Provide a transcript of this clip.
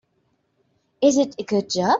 Is it a good job?